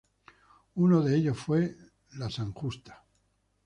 Uno de ellos fue la San Justa.